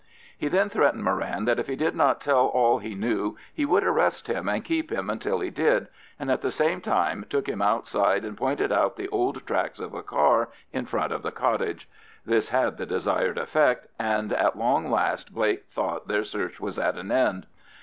He then threatened Moran that if he did not tell all he knew he would arrest him and keep him until he did, and at the same time took him outside and pointed out the old tracks of a car in front of the cottage. This had the desired effect, and at long last Blake thought their search was at an end.